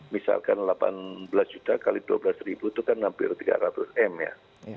misalkan delapan belas juta x dua belas ribu itu kan hampir tiga ratus m ya